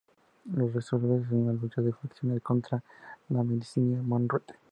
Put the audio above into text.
Los rebeldes son una lucha de facciones en contra de la milicia Monroe.